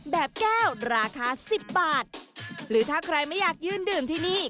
แบบแก้วราคาสิบบาทหรือถ้าใครไม่อยากยืนดื่มที่นี่